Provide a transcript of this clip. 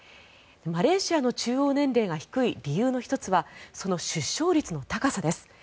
マレーシアの中央年齢が低い理由の１つはその出生率の高さです。